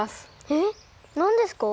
えっなんですか？